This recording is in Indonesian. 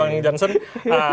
dan juga bang jansen